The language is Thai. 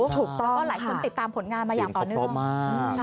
ถูกต้องค่ะแล้วก็หลายคนติดตามผลงานมาอย่างก่อนนึกว่าเสียงครอบครอบมาก